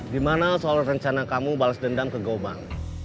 gimana soal rencana kamu balas dendam ke gouwman